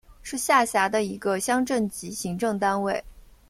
是下辖的一个乡镇级行政单位。